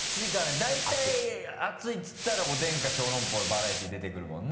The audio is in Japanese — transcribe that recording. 大体熱いっていったらおでんか小籠包バラエティー出てくるもんね。